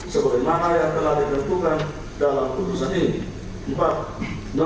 sebuah nangka yang telah ditentukan dalam kutusan ini